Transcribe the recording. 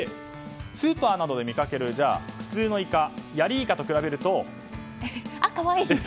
スーパーなどで見かける普通のイカヤリイカと比べると。